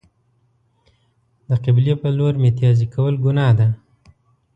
د قبلې په لور میتیاز کول گناه ده.